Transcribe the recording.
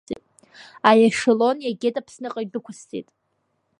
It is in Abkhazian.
Аешелон иагеит, Аԥсныҟа идәықәсҵеит.